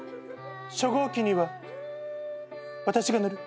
初号機には私が乗る。